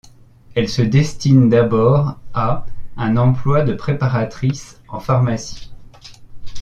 Elle se destine d'abord à un emploi de préparatrice en pharmacie.